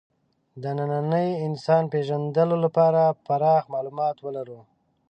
د ننني انسان پېژندلو لپاره پراخ معلومات ولرو.